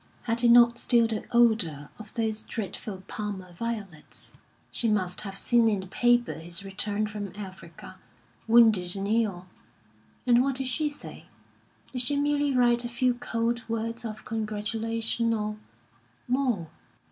Had it not still the odour of those dreadful Parma violets? She must have seen in the paper his return from Africa, wounded and ill. And what did she say? Did she merely write a few cold words of congratulation or more?